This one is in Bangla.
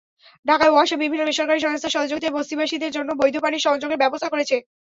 ঢাকা ওয়াসা বিভিন্ন বেসরকারি সংস্থার সহযোগিতায় বস্তিবাসীদের জন্য বৈধ পানির সংযোগের ব্যবস্থা করেছে।